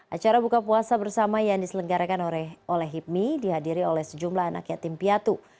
acara buka puasa bersama yang diselenggarakan oleh hipmi dihadiri oleh sejumlah anak yatim piatu